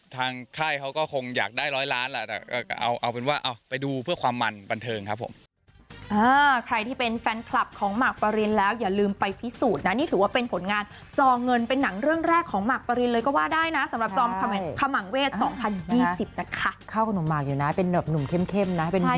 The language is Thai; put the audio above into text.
ทางค่ายเขาก็คงอยากได้ร้อยล้านเอาเป็นว่าไปดูเพื่อความมันบันเทิงครับผม